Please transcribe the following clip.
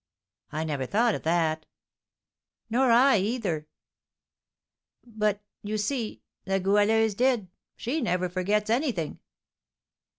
"I never thought of that." "Nor I either." "But you see La Goualeuse did, she never forgets anything."